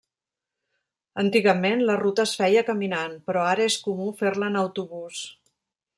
Antigament la ruta es feia caminant però ara és comú fer-la en autobús.